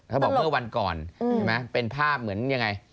เขาบอกเมื่อวันก่อนเห็นไหมเป็นภาพเหมือนยังไง